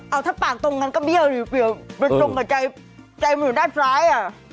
เอาถ้าปากตรงกันก็เบี้ยหรือเปียวเบี้ยตรงกับใจจ๋ามีด้านซ้าย